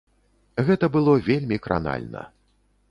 Гэта было вельмі кранальна.